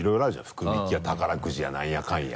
福引や宝くじやなんやかんや。